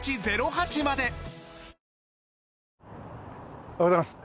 おはようございます。